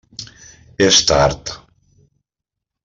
És tard.